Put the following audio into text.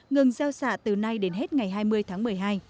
ngừng gieo xạ từ nay đến hết ngày hai mươi tháng một mươi hai